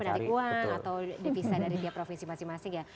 mesti penarik uang atau dipisah dari tiap provinsi masing masing ya